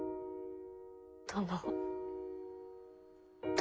殿。